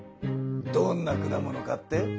どんな果物かって？